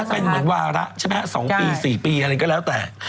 เป็นเหมือนวาระใช่ไหม๒ปี๔ปีอะไรก็แล้วแต่